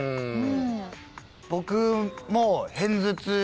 僕も。